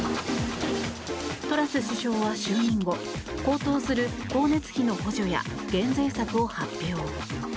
トラス首相は就任後高騰する光熱費の補助や減税策を発表。